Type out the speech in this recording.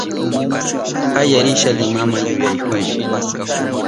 Kaya risha Limama yuyarihuni